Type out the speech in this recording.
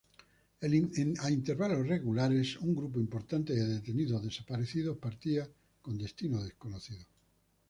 A intervalos regulares, un grupo importante de detenidos-desaparecidos partía con destino desconocido.